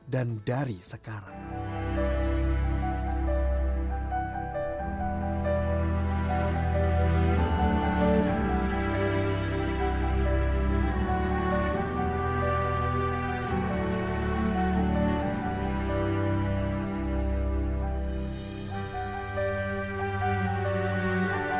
dan dari sekarang